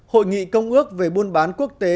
hội nghị công ước về buôn bán quốc tế